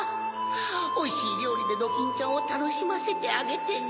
おいしいりょうりでドキンちゃんをたのしませてあげてね。